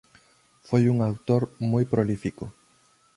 Foi un autor moi prolífico.